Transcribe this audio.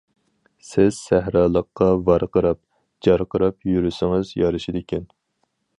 سىز سەھرالىققا ۋارقىراپ- جارقىراپ يۈرسىڭىز يارىشىدىكەن.